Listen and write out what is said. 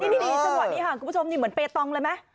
นี่จังหวะนี้ค่ะคุณผู้ชมนี่เหมือนเปตองเลยไหม